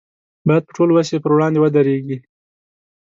باید په ټول وس یې پر وړاندې ودرېږي.